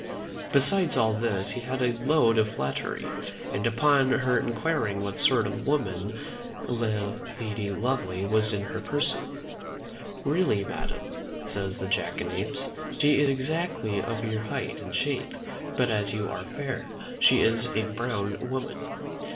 Besides all this he had a load of flattery; and upon her inquiring what sort of woman Lady Lovely was in her person, "Really, madam," says the jackanapes, "she is exactly of your height and shape; but as you are fair, she is a brown woman."